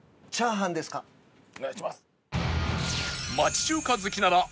お願いします。